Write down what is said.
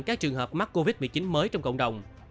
các trường hợp mắc covid một mươi chín mới trong cộng đồng